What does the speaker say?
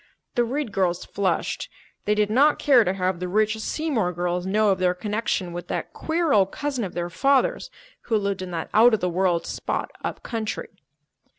The Reed girls flushed. They did not care to have the rich Seymour girls know of their connection with that queer old cousin of their father's who lived in that out of the world spot up country.